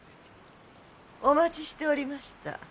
お待ちしておりました。